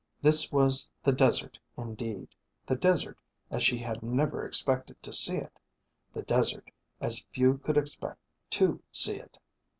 This was the desert indeed, the desert as she had never expected to see it, the desert as few could expect to see it.